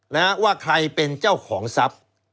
นะว่าใครเป็นเจ้าของซับ